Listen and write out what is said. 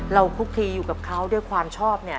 คุกทีอยู่กับเขาด้วยความชอบเนี่ย